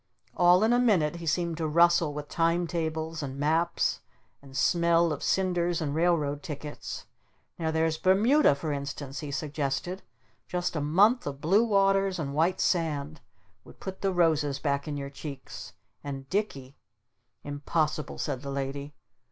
All in a minute he seemed to rustle with time tables and maps and smell of cinders and railroad tickets. "Now there's Bermuda for instance!" he suggested. "Just a month of blue waters and white sand would put the roses back in your cheeks. And Dicky " "Impossible," said the Lady.